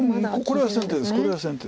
これは先手ですし。